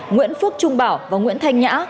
nguyễn phúc trung bảo và nguyễn thanh nhã